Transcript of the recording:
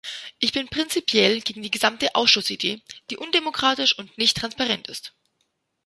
Ich bin prinzipiell gegen die gesamte Ausschuss-Idee, die undemokratisch und nicht transparent ist.